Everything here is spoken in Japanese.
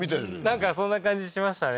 なんかそんな感じしましたね